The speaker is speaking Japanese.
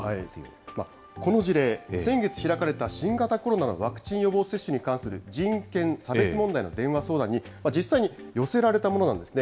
この事例、先月開かれた新型コロナのワクチン予防接種に関する人権・差別問題の電話相談に、実際に寄せられたものなんですね。